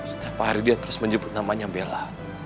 setiap hari dia terus menyebut namanya bella